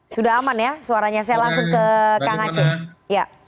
sudah aman ya suaranya saya langsung ke kang aceh